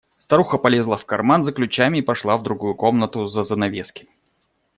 Старуха полезла в карман за ключами и пошла в другую комнату за занавески.